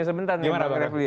sebentar nih bang refli ya